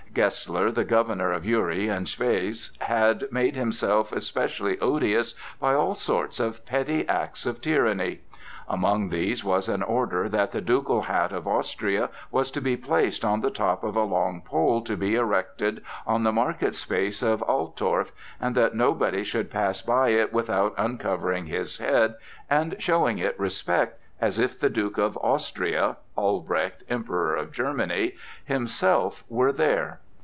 Gessler, the Governor of Uri and Schwyz, had made himself especially odious by all sorts of petty acts of tyranny. Among these was an order that the ducal hat of Austria was to be placed on the top of a long pole to be erected on the market space of Altorf and that nobody should pass by it without uncovering his head and showing it respect as if the Duke of Austria (Albrecht, Emperor of Germany) himself were there.